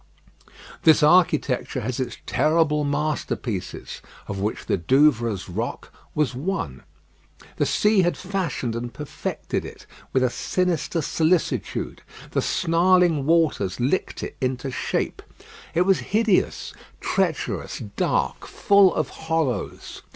This architecture has its terrible masterpieces, of which the Douvres rock was one. The sea had fashioned and perfected it with a sinister solicitude. The snarling waters licked it into shape. It was hideous, treacherous, dark, full of hollows.